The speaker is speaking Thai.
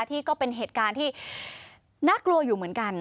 ที่เป็นเหตุการณ์ที่น่ากลัวอยู่เหมือนกัน